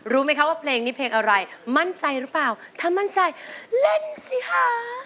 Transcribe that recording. รู้ไหมคะว่าเพลงนี้เพลงอะไรมั่นใจหรือเปล่าถ้ามั่นใจเล่นสิคะ